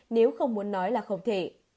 nếu không muốn nói là không thể